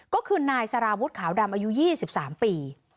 ก็คือนายสารวุฒิขาวดำอายุ๒๓ปี